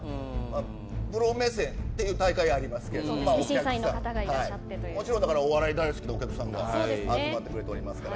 プロ目線の大会でありますけれどもちろん、お笑い大好きなお客さんが集まってくれておりますから。